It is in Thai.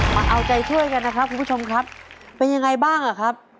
มาเอาใจช่วยกันนะครับคุณผู้ชมครับเป็นยังไงบ้างอ่ะครับ